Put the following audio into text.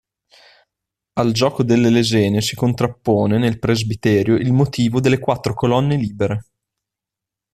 Al gioco delle lesene si contrappone, nel presbiterio, il motivo delle quattro colonne libere.